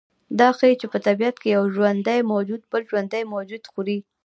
دا ښیي چې په طبیعت کې یو ژوندی موجود بل ژوندی موجود خوري